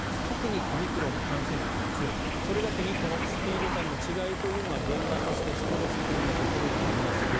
特にオミクロンは感染力が強いそれだけにこのスピード感の違いというのは現場としてストレスフルなところがあります